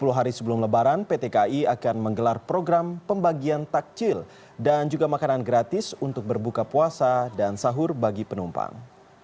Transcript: sepuluh hari sebelum lebaran pt ki akan menggelar program pembagian takjil dan juga makanan gratis untuk berbuka puasa dan sahur bagi penumpang